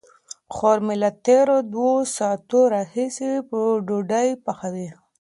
خور مې له تېرو دوو ساعتونو راهیسې ډوډۍ پخوي.